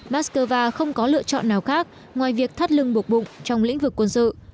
moscow không có lựa chọn nào khác ngoài việc thắt lưng buộc bụng trong lĩnh vực quân sự